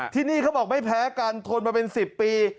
ที่นี่เขาบอกไม่แพ้กันทนมาเป็น๑๐ปี